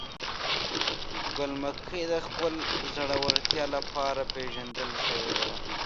ګل مکۍ د خپل زړورتیا لپاره پیژندل شوې وه.